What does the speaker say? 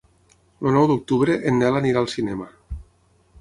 El nou d'octubre en Nel anirà al cinema.